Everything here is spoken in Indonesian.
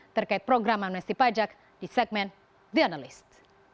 terkait program amnesti pajak di segmen the analyst